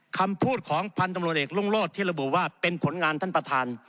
คำพูดของพันธุ์ตำรวจเอกรุ่งโรธที่ระบุว่าเป็นผลงานท่านประธาน